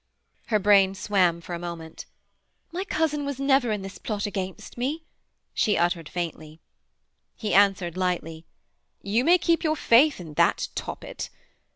Her brain swam for a moment. 'My cousin was never in this plot against me,' she uttered faintly. He answered lightly: 'You may keep your faith in that toppet.